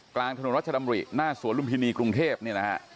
กลางถนนรัชดำริหน้าสวนลุมพินีกรุงเทพเนี่ยนะฮะ